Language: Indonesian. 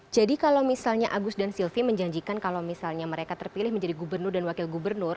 jadi kalau misalnya agus dan silvi menjanjikan kalau misalnya mereka terpilih menjadi gubernur dan wakil gubernur